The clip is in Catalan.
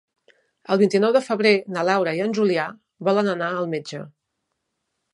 El vint-i-nou de febrer na Laura i en Julià volen anar al metge.